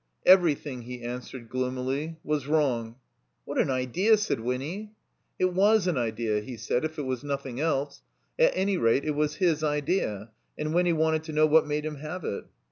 Everjrthing, he answered, gloomily, was wrong. "What an idea!" said Winny. It was an idea, he said, if it was nothing else. At any rate, it was his idea. And Winny wanted to know what made him have it.